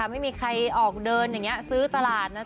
ไม่มีใครออกเดินแบบนี้ซื้อตลาด